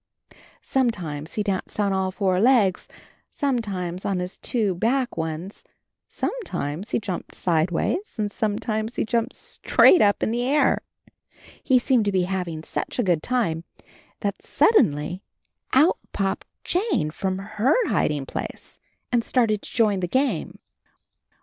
Sometimes he danced on all four legs, sometimes on his two back ones, sometimes he jumped sideways, and sometimes he jumped straight up in the air. He seemed to be having such a good time, that suddenly out popped Jane AND HIS KITTEN TOPSY IS from her hiding place and started to join the game.